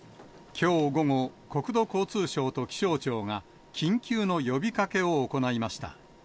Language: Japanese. きょう午後、国土交通省と気象庁が、緊急の呼びかけを行いました。